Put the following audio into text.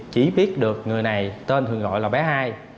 chỉ biết được người này tên thường gọi là bé hai